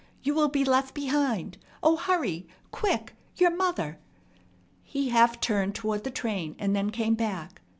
"You will be left behind! O, hurry! Quick! Your mother!" He half turned toward the train, and then came back.